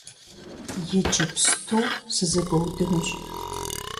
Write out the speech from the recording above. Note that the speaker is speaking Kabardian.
Иджыпсту сызэгуэудынущ!